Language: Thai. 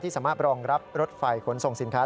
สามารถรองรับรถไฟขนส่งสินค้า